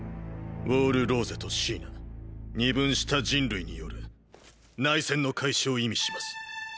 ウォール・ローゼとシーナ二分した人類による内戦の開始を意味します。